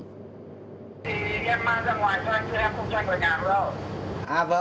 thì em mang ra ngoài cho anh chứ em không cho anh vào nhà được không